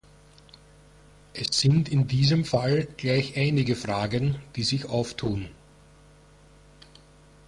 Es sind in diesem Fall gleich einige Fragen, die sich auftun.